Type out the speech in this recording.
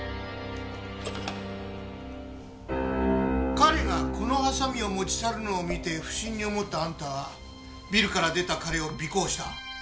彼がこのハサミを持ち去るのを見て不審に思ったあんたはビルから出た彼を尾行した。